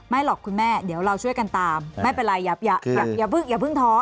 หรอกคุณแม่เดี๋ยวเราช่วยกันตามไม่เป็นไรอย่าเพิ่งท้อ